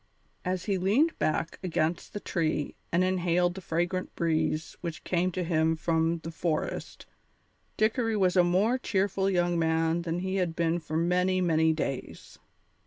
As he leaned back against the tree and inhaled the fragrant breeze which came to him from the forest, Dickory was a more cheerful young man than he had been for many, many days.